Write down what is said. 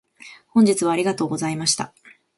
本日はありがとうございました。